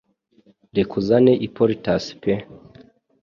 Reka uzane Hippolytus pe